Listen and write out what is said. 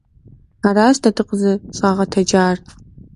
Аращ дэ дыкъызыщӀагъэтэджар.